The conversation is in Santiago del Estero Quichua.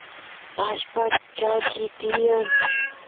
allpa chakiy tiyan